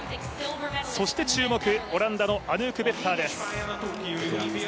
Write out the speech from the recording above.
注目、オランダのアヌーク・ベッターです。